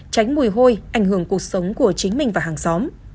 tránh mùi hôi ảnh hưởng cuộc sống của chính mình và hàng xóm